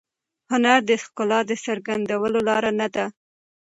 هنر د ښکلا د څرګندولو لاره نه ده.